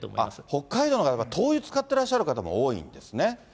北海道の方は灯油使ってらっしゃる方も多いんですね。